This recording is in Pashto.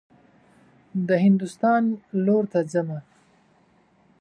د هندوستان لور ته حمه.